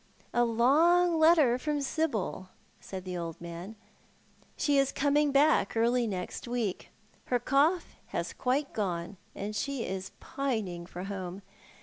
" A long letter from Sibyl," said the old man. " She is coming back early next week. Her cough has quite gone, and she is pining for homo.